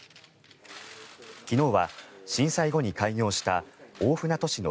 昨日は震災後に開業した大船渡市の